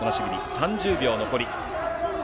３０秒残り。